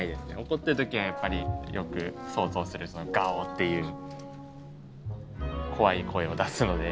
怒ってる時はやっぱりよく想像するガオッていう怖い声を出すので。